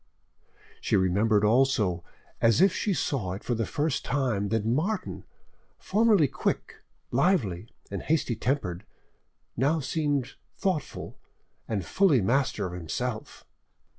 She remembered also, as if she saw it for the first time, that Martin, formerly quick, lively, and hasty tempered, now seemed thoughtful, and fully master of himself.